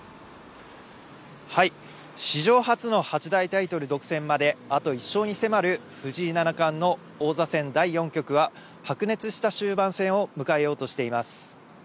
史上初の八大タイトル独占まであと１勝に迫る藤井七冠の王座戦第４局は、白熱した終盤戦を迎えようとしています。